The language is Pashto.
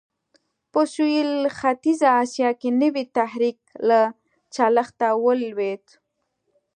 په سوېل ختیځه اسیا کې نوی تحرک له چلښته ولوېد.